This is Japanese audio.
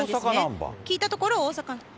聞いたところ大阪。